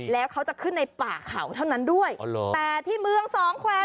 แล้วเขาจะขึ้นในป่าเขาเท่านั้นด้วยอ๋อเหรอแต่ที่เมืองสองแควร์